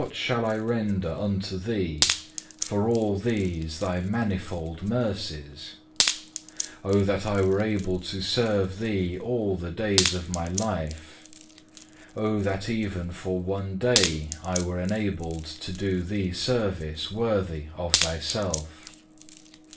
4. What shall I render unto Thee for all these Thy manifold mercies? Oh that I were able to serve Thee all the days of my life! Oh that even for one day I were enabled to do Thee service worthy of Thyself!